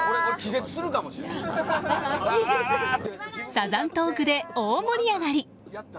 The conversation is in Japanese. サザントークで大盛り上がり！